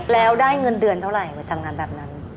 แล้วได้เงินเดือนเท่าไหร่ไปทำงานแบบนั้น